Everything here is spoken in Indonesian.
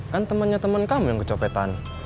kan temennya temen kamu yang kecopetan